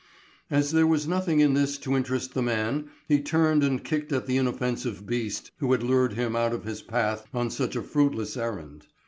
As there was nothing in this to interest the man he turned and kicked at the inoffensive beast who had lured him out of his path on such a fruitless errand.